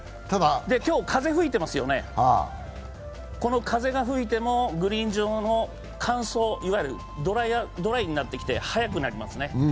今日風吹いていますよね、風が吹いてもグリーン上の乾燥、いわゆるドライになってきて速くなりますね。